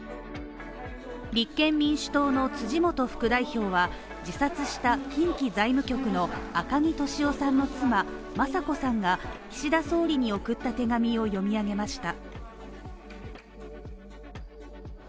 立憲民主党の辻元副代表は自殺した近畿財務局の赤木俊夫さんの妻・雅子さんが岸田総理に送った手紙を読み上げました。